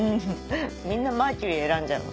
みんなマーキュリー選んじゃうの。